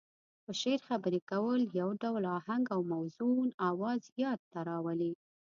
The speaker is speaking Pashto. په شعر خبرې کول يو ډول اهنګ او موزون اواز ياد ته راولي.